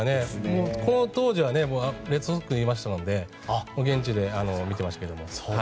この当時はレッドソックスにいたので現地で見てましたけど。